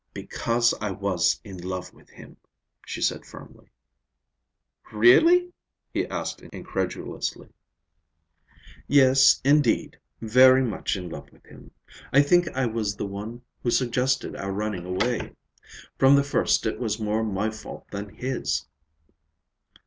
"Because I was in love with him," she said firmly. "Really?" he asked incredulously. "Yes, indeed. Very much in love with him. I think I was the one who suggested our running away. From the first it was more my fault than his."